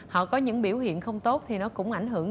họ có những biểu hiện không tốt thì nó cũng ảnh hưởng